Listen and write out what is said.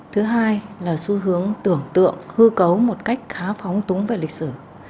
thứ hai là xu hướng tưởng tượng hư cấu một cách khá phóng túng về lịch sử